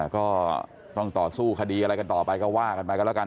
ก็ต้องต่อสู้คดีอะไรกันต่อไปก็ว่ากันไปกันแล้วกัน